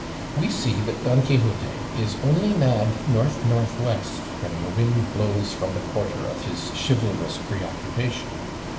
We see that Don Quixote is only mad north north west, when the wind blows from the quarter of his chivalrous preoccupation.